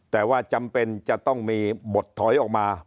แต่ว่าจำเป็นจะต้องมีบทถอยออกมา